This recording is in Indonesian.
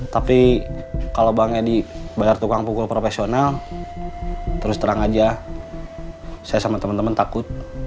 tapi kalau bang edi bayar tukang pukul profesional terus terang aja saya sama teman teman takut